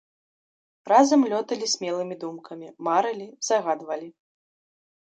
Разам лёталі смелымі думкамі, марылі, загадвалі.